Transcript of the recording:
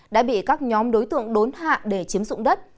đã bị các nhóm đối tượng đốn hạ để chiếm dụng đất